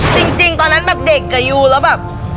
จริงตอนนั้นแบบเด็กอยู่แล้วแบบ